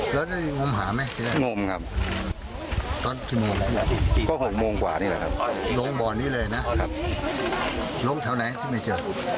แล้วได้งมหาไหมงมครับตอนกี่โมงแล้วก็๖โมงกว่านี่แหละครับลงบ่อนี้เลยนะลงแถวไหนที่ไม่เจอ